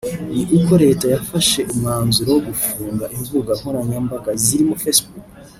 ni uko Leta yafashe umwanzuro wo gufunga imbuga nkoranyambaga zirimo facebook